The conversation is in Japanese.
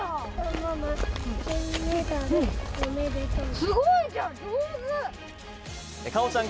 すごいじゃん！